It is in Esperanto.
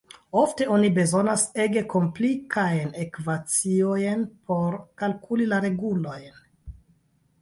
Ofte oni bezonas ege komplikajn ekvaciojn por kalkuli la regulojn.